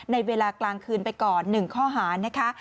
ในเวลากลางคืนไปก่อน๑ข้อหานะคะ